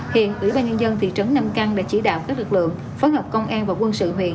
hiện ủy ban nhân dân thị trấn nam căn đã chỉ đạo các lực lượng phối hợp công an và quân sự huyện